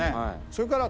それから。